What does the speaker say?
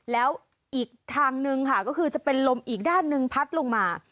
แล้วอีกทางนึงค่ะก็คือจะเป็นลมอีกด้านหนึ่งพัดลงมา